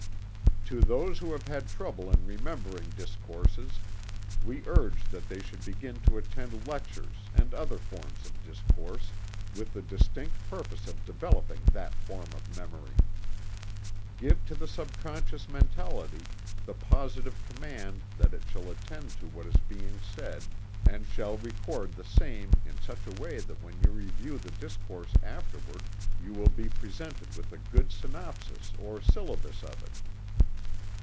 To those who have had trouble in remembering discourses, we urge that they should begin to attend lectures and other forms of discourse, with the distinct purpose of developing that form of memory. Give to the subconscious mentality the positive command that it shall attend to what is being said, and shall record the same in such a way that when you review the discourse afterward you will be presented with a good synopsis or syllabus of it.